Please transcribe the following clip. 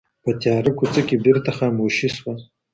په تياره كوڅه كي بيرته خاموشي سوه